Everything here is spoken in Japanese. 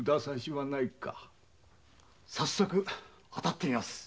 早速当たってみます。